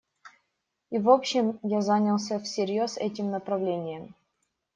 И, в общем, я занялся всерьез этим направлением.